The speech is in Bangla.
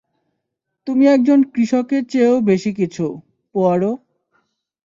তুমি একজন কৃষকের চেয়েও বেশি কিছু, পোয়ারো!